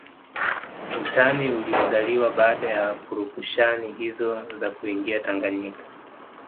Utani uliozaliwa baada ya purukushani hizo za kuingia Tanganyika